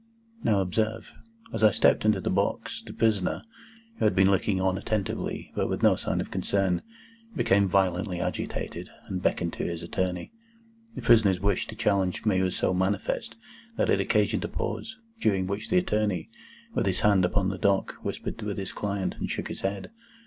Now, observe. As I stepped into the box, the prisoner, who had been looking on attentively, but with no sign of concern, became violently agitated, and beckoned to his attorney. The prisoner's wish to challenge me was so manifest, that it occasioned a pause, during which the attorney, with his hand upon the dock, whispered with his client, and shook his head.